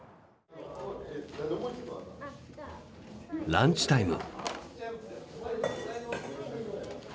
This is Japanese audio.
ランチタイム。